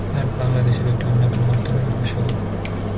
পাট বাংলাদেশের একটি অন্যতম অর্থকরী ফসল।